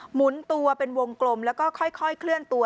หมุนตัวเป็นวงกลมแล้วก็ค่อยเคลื่อนตัว